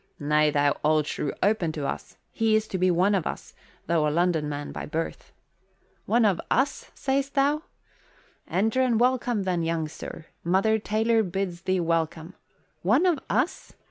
"Nay, thou old shrew, open to us. He is to be one of us, though a London man by birth." "One of us, say'st thou? Enter and welcome, then, young sir. Mother Taylor bids thee welcome. One of us?